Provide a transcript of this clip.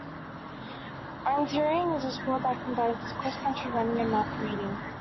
Orienteering is a sport that combines cross-country running and map reading